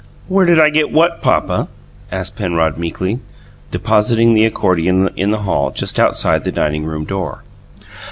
"Where did I get what, papa?" asked Penrod meekly, depositing the accordion in the hall just outside the dining room door.